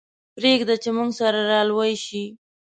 پرېږده چې موږ سره را لوی شي.